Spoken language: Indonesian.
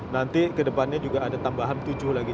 nanti kedepannya juga ada tambahan tujuh lagi